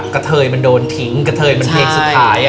กระเทยมันโดนทิ้งกระเทยมันเพลงสุดท้าย